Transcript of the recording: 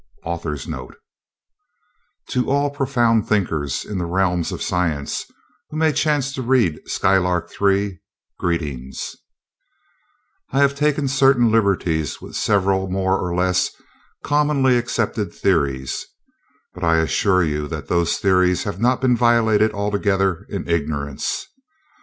|++ AUTHOR'S NOTE: To all profound thinkers in the realms of Science who may chance to read SKYLARK THREE, greetings: I have taken certain liberties with several more or less commonly accepted theories, but I assure you that those theories have not been violated altogether in ignorance.